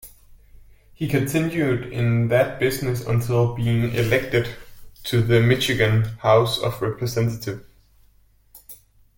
He continued in that business until being elected to the Michigan House of Representatives.